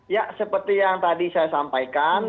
ya seperti yang tadi saya sampaikan